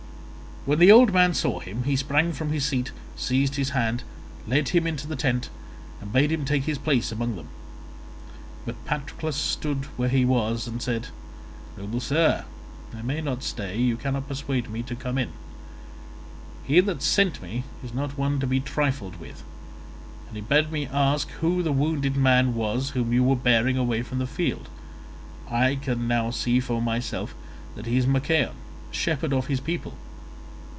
When the old man saw him he sprang from his seat, seized his hand, led him into the tent, and bade him take his place among them; but Patroclus stood where he was and said, "Noble sir, I may not stay, you cannot persuade me to come in; he that sent me is not one to be trifled with, and he bade me ask who the wounded man was whom you were bearing away from the field. I can now see for myself that he is Machaon, shepherd of his people.